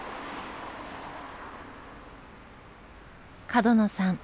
角野さん